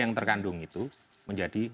yang terkandung itu menjadi